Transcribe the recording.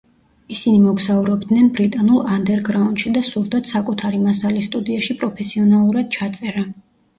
ისინი მოგზაურობდნენ ბრიტანულ ანდერგრაუნდში და სურდათ საკუთარი მასალის სტუდიაში პროფესიონალურად ჩაწერა.